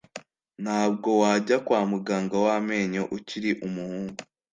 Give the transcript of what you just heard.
Ntabwo wajya kwa muganga wamenyo ukiri umuhungu.